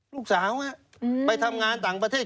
ลูกสาวไปทำงานต่างประเทศ